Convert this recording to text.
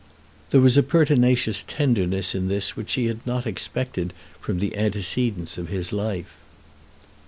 There was a pertinacious tenderness in this which she had not expected from the antecedents of his life.